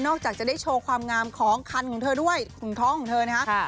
จากจะได้โชว์ความงามของคันของเธอด้วยของท้องของเธอนะคะ